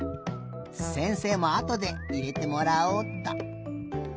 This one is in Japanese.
せんせいもあとでいれてもらおうっと。